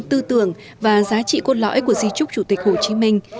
tư tưởng và giá trị cốt lõi của di trúc chủ tịch hồ chí minh